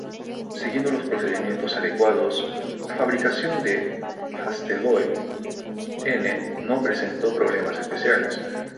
Siguiendo los procedimientos adecuados, la fabricación de Hastelloy-N no presentó problemas especiales.